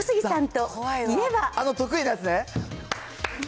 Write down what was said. あの得意なやつね。